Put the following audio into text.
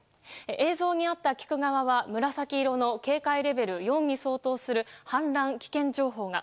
映像にあった菊川は紫色の警戒レベル４に相当する氾濫危険情報が。